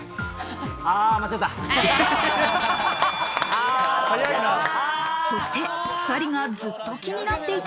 あ、間違った。